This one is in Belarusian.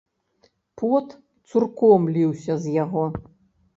Пот цурком ліўся з яго.